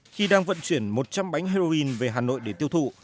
khi đang vận chuyển một trăm linh bánh heroin về hà nội để tiêu thụ